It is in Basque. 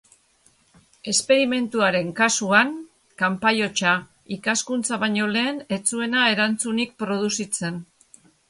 Esperimentuaren kasuan: kanpai-hotsa, ikaskuntza baino lehen ez zuena erantzunik produzitzen.